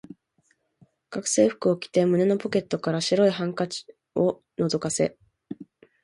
学生服を着て、胸のポケットから白いハンケチを覗かせ、